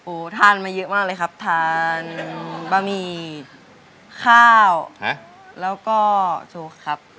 ทานมาเยอะมากเลยครับทานบะหมี่ข้าวแล้วก็โชว์ครับ